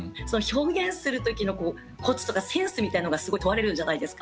表現する時のコツとかセンスみたいのがすごい問われるんじゃないですか。